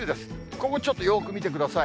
今後、ちょっとよく見てください。